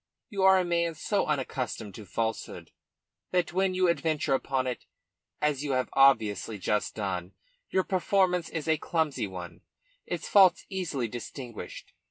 You are a man so unaccustomed to falsehood that when you adventure upon it, as you have obviously just done, your performance is a clumsy one, its faults easily distinguished.